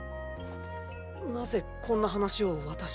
なぜこんな話を私に？